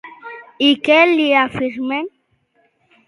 I què li afirmen?